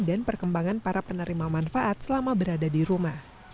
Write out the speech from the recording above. dan perkembangan para penerima manfaat selama berada di rumah